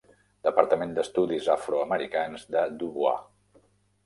Departament d'Estudis Afroamericans de Du Bois.